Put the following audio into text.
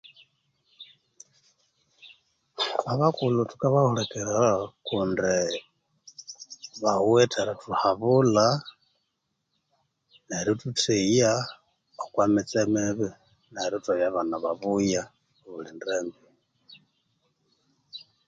Obakulhu thukabahulikirira kundi bawethi erithuhabulha nerithutheya okwa mitsi mibi